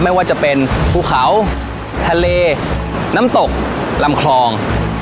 ไม่ว่าจะเป็นภูเขาทะเลน้ำตกลำคลอง